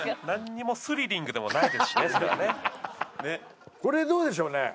何にもスリリングでもないですしね